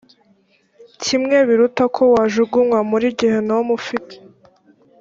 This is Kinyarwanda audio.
kimwe biruta ko wajugunywa muri gehinomu ufite